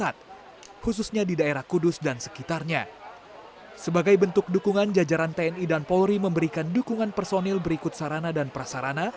sebagai bentuk dukungan jajaran tni dan polri memberikan dukungan personil berikut sarana dan prasarana